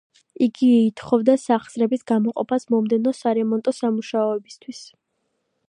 იგი ითხოვდა სახსრების გამოყოფას მომდევნო სარემონტო სამუშაოებისათვის.